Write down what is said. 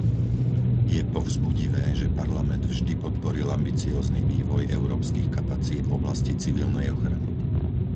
Je povzbudivé, že Parlament vždy podporil ambiciózny vývoj európskych kapacít v oblasti civilnej ochrany.